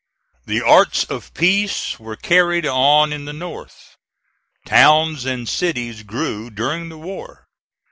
The arts of peace were carried on in the North. Towns and cities grew during the war.